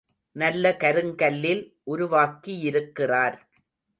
நல்ல கருங்கல்லில் உருவாகியிருக்கிறார்.